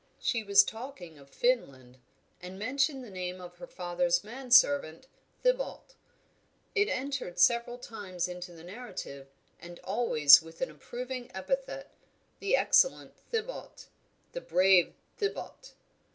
She was talking of Finland, and mentioned the name of her father's man servant, Thibaut. It entered several times into the narrative, and always with an approving epithet, the excellent Thibaut, the brave Thibaut.